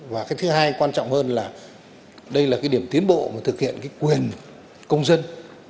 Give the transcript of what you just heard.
và cái thứ hai quan trọng hơn là đây là cái điểm tiến bộ mà thực hiện cái quyền công dân